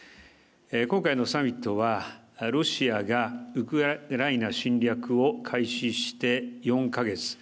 今回のサミットはロシアがウクライナ侵略を開始して４か月。